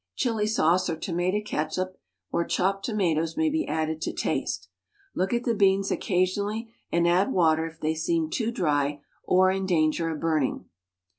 Chili sauce or tomato catsup or chopped tomatoes may be added to taste. Look at the beans occasionally and add water if they seem too dry or in danger of burning.